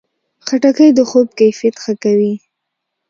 خټکی د خوب کیفیت ښه کوي.